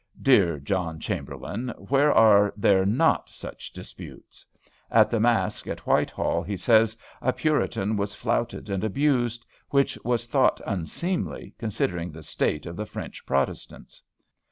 Dear John Chamberlain, where are there not such disputes? At the masque at Whitehall he says, "a Puritan was flouted and abused, which was thought unseemly, considering the state of the French Protestants."